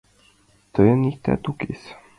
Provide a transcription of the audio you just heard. Тыйын иктат укес.